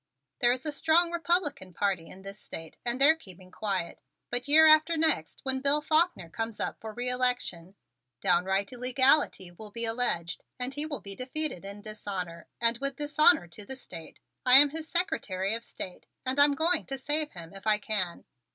There is a strong Republican party in this State and they're keeping quiet, but year after next, when Bill Faulkner comes up for re election, downright illegality will be alleged, and he will be defeated in dishonor and with dishonor to the State. I am his Secretary of State and I'm going to save him if I can.